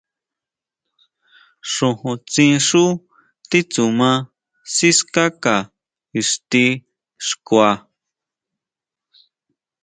Xojóntsín xú titsuma sikáka ixti xkua.